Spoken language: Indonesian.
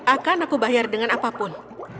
akan aku bayar dengan apapun